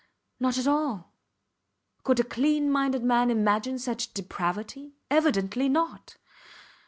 ... Not at all. Could a clean minded man imagine such depravity? Evidently not.